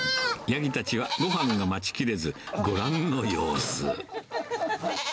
ヤギたちは、ごはんを待ちきれず、ご覧の様子。